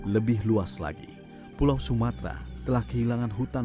lebih luas lagi pulau sumatera telah kehilangan hutan